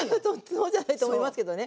そうじゃないと思いますけどね。